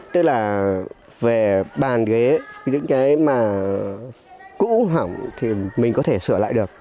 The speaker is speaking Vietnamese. tức là về bàn ghế những cái mà cũ hỏng thì mình có thể sửa lại được